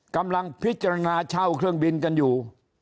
กำลังพิจารณาเช่าเครื่องบินกันอยู่